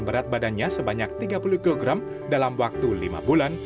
berat badannya sebanyak tiga puluh kg dalam waktu lima bulan